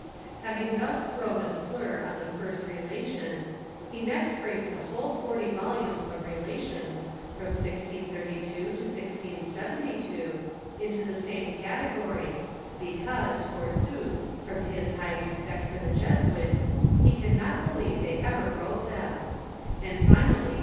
Having thus thrown a slur on the first Relation, he next brings the whole forty volumes of Relations, from 1682 to 1072, into the same category, because, forsooth, from his high respect for the Jesuits, he can not be lieve thoy ever wrote them ; ond, finally.